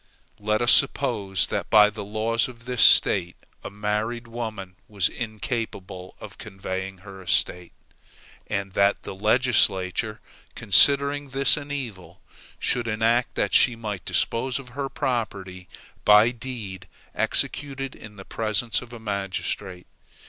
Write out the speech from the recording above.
Let us suppose that by the laws of this State a married woman was incapable of conveying her estate, and that the legislature, considering this as an evil, should enact that she might dispose of her property by deed executed in the presence of a magistrate.